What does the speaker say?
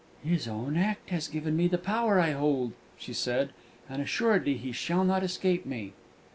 "His own act has given me the power I hold," she said, "and assuredly he shall not escape me!"